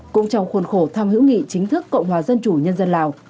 cũng trong khuôn khổ thăm hữu nghị chính thức cộng hòa dân chủ nhân dân lào